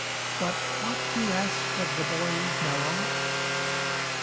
But what, you ask, Of the boy Nello